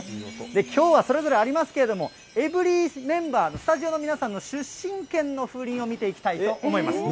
きょうはそれぞれありますけれども、エブリィメンバーの、スタジオの皆さんの出身県の風鈴を見ていきたいと思います。